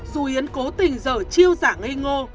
dù yến cố tình dở chiêu giả ngây ngô